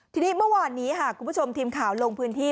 ทีนี้เมื่อวานนี้ค่ะคุณผู้ชมทีมข่าวลงพื้นที่